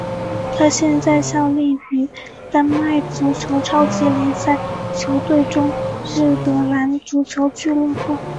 他现在效力于丹麦足球超级联赛球队中日德兰足球俱乐部。